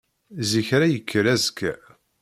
Zik ara yekker azekka.